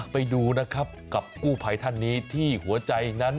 ไปดูนะครับกับกู้ภัยท่านนี้ที่หัวใจนั้น